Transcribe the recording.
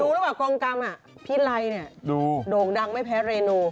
ดูแล้วว่ากองกรรมพี่ไร่โด่งดังไม่แพ้เรนู